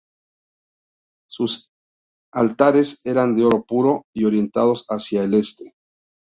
Sus altares eran de oro puro y orientados hacia el Este.